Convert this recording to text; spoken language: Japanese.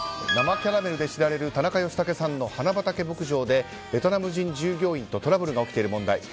生キャラメルで知られる田中義剛さんの花畑牧場でベトナム人従業員とトラブルが起きている問題。